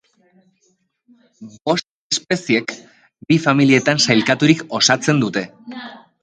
Bost espeziek, bi familiatan sailkaturik, osatzen dute.